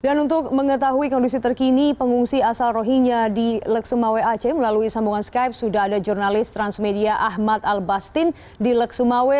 dan untuk mengetahui kondisi terkini pengungsi asal rohinya di lek sumawe ac melalui sambungan skype sudah ada jurnalis transmedia ahmad al bastin di lek sumawe